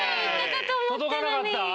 届かなかった？